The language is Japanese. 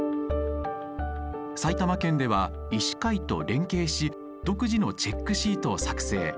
埼玉県では医師会と連携し独自のチェックシートを作成。